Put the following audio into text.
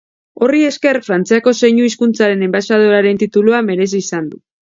Horri esker Frantziako zeinu hizkuntzaren enbaxadorearen titulua merezi izan du.